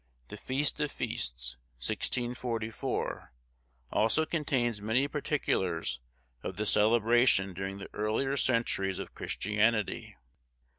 'The Feast of Feasts,' 1644, also contains many particulars of the celebration during the earlier centuries of Christianity.